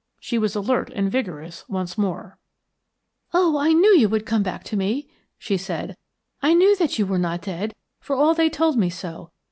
She was alert and vigorous once more. "Oh, I knew that you would come back to me," she said. "I knew that you were not dead, for all they told me so.